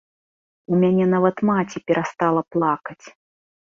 У мяне нават маці перастала плакаць.